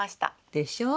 でしょう？